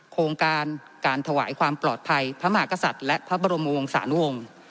โครงการการถวายความปลอดภัยพระมหากษัตริย์และพระบรมวงศานุวงศ์